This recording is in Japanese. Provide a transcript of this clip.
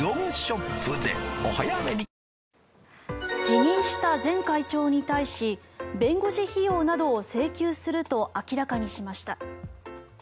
辞任した前会長に対し弁護士費用などを請求すると明らかにしました。